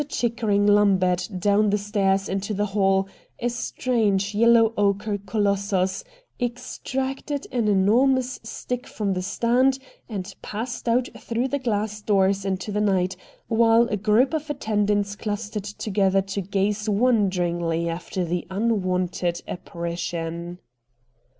Chickering lumbered down the stairs into the hall, a strange yellow ochre colossus, ex tracted an enormous stick from the stand and passed out through the glass doors into the night, while a group of attendants clustered together to gaze wonderingly after the un wonted apparition.